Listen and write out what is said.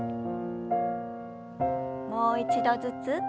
もう一度ずつ。